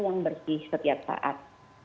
yang bersih setiap saat